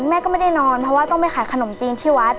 แม่ก็ไม่ได้นอนเพราะว่าต้องไปขายขนมจีนที่วัด